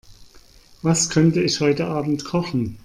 Was könnte ich heute Abend kochen?